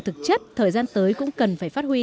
thực chất thời gian tới cũng cần phải phát huy